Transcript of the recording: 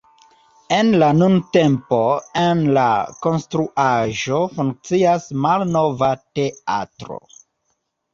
En la nuntempo en la konstruaĵo funkcias Malnova Teatro.